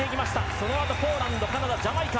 そのあと、ポーランドカナダ、ジャマイカ。